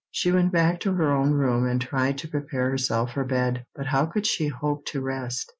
She went back to her own room, and tried to prepare herself for bed. But how could she hope to rest?